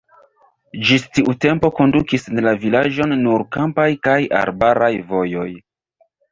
Ĝis tiu tempo kondukis en la vilaĝon nur kampaj kaj arbaraj vojoj!